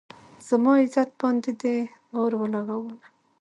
زما عزت باندې دې اور ولږاونه